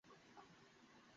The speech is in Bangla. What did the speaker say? তোর কি হয়েছে?